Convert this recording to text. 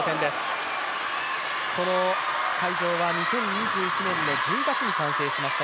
この会場は２０２１年の１０月に完成しました。